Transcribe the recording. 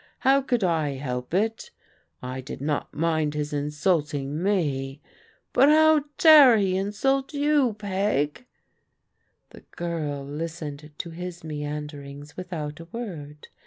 How could I help it? I did not mind his insulting me, but how dare he insult you, Peg ?" The g^rl listened to his meanderings without a word.